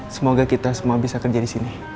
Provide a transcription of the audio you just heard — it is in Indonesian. semoga kita semua bisa kerja di sini